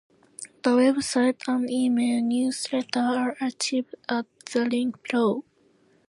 The web site and email newsletters are archived at the link below.